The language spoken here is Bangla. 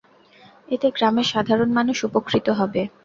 এতে গ্রামের সাধারণ মানুষ উপকৃত হবে।